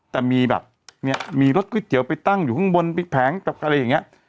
แต่มีแบบเนี่ยมีรถก๋วยเตี๋ยวไปตั้งอยู่ข้างบนพลิกแผงแบบอะไรอย่างนี้